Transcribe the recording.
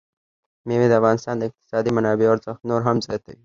مېوې د افغانستان د اقتصادي منابعو ارزښت نور هم زیاتوي.